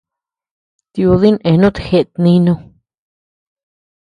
Tiudi eanut jeʼet nínu.